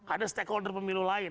ada stakeholder pemilu lain